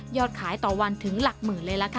ขายต่อวันถึงหลักหมื่นเลยล่ะค่ะ